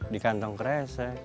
di kantong keresek